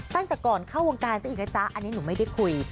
ตั้งแต่ก่อนเข้าวงการซะอีกนะจ๊ะอันนี้หนูไม่ได้คุย